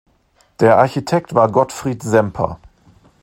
Der Architekt war Gottfried Semper.